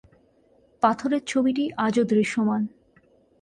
পাথরের ছবিটি আজও দৃশ্যমান।